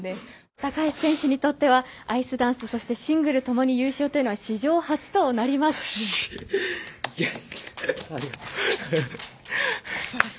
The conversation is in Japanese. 高橋選手にとってはアイスダンスそしてシングルともに優勝というのはイエス、ありがとう。